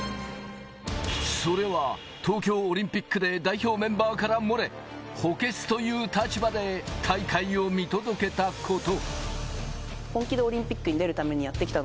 それは東京オリンピックで代表メンバーから漏れ、補欠という立場で大会を見届けたこと。